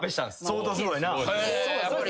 相当すごいな。